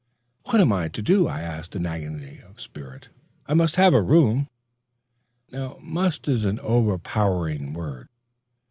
"What am I to do?" I asked in agony of spirit. "I must have a room." Must is an overpowering word.